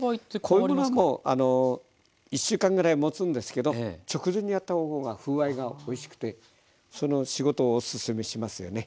こういうものはもう１週間ぐらいもつんですけど直前にやった方が風合いがおいしくてその仕事をおすすめしますよね。